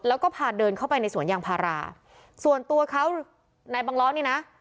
แล้วก็พาเดินเข้าไปในสวนยางพาราส่วนตัวเขานายบังล้อนี่นะ